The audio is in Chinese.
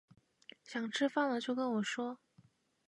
想吃饭了就跟我说